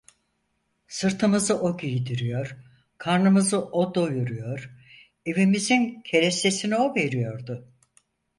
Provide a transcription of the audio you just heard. Sırtımızı o giydiriyor, karnımızı o doyuruyor, evimizin kerestesini o veriyordu.